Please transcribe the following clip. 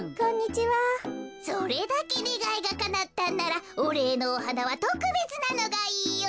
それだけねがいがかなったんならおれいのおはなはとくべつなのがいいよ。